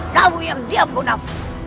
kamu yang diam bunam